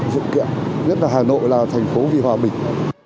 dự kiện nhất là hà nội là thành phố vì hòa bình